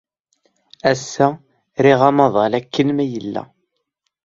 Ass-a, riɣ amaḍal akken ma yella.